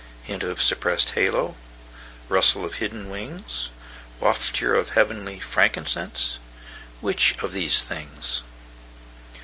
Hint of suppressed halo, Rustle of hidden wings, Wafture of heavenly frankincense,—Which of these things?